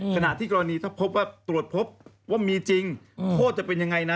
ขณะกว่านี้ถ้าตรวจพบว่ามีจริงโทษจะเป็นยังไง